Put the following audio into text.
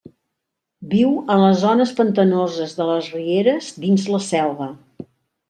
Viu en les zones pantanoses de les rieres dins la selva.